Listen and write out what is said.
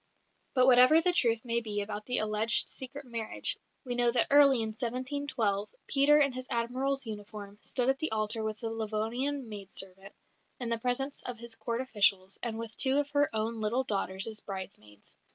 But whatever the truth may be about the alleged secret marriage, we know that early in 1712, Peter, in his Admiral's uniform, stood at the altar with the Livonian maid servant, in the presence of his Court officials, and with two of her own little daughters as bridesmaids.